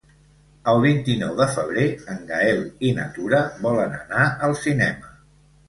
El vint-i-nou de febrer en Gaël i na Tura volen anar al cinema.